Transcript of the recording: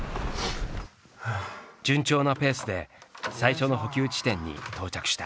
順調なペースで最初の補給地点に到着した。